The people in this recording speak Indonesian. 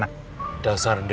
saya tahu tuh